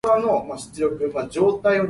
飼鳥鼠咬布袋